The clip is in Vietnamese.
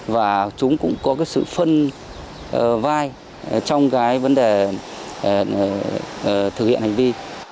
và chúng cũng có sự phân vai trong vấn đề thực hiện hành vi